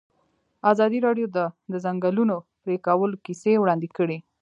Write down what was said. ازادي راډیو د د ځنګلونو پرېکول کیسې وړاندې کړي.